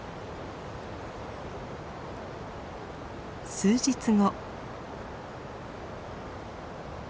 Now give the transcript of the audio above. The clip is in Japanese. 数日後。